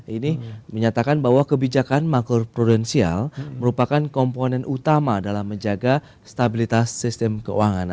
ini menyatakan bahwa kebijakan makro prudensial merupakan komponen utama dalam menjaga stabilitas sistem keuangan